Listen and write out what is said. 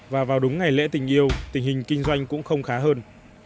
và vào đúng ngày lễ tình yêu tình hình kinh doanh cũng không khá hơn